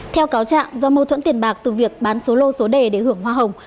theo cáo trạng do mâu thuẫn tiền bạc từ việc bán số lô số đề để hưởng hoa hồng